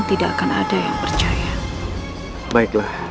tidak akan ada yang percaya